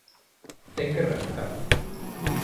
Ten que remontar.